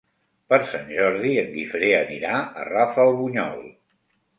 Per Sant Jordi en Guifré anirà a Rafelbunyol.